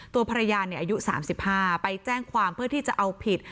ตัวภรรยาเนี่ยอายุสามสิบห้าไปแจ้งความเพื่อที่จะเอาผิด